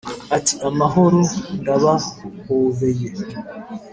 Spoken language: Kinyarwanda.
Uti amahoro ndabahobeye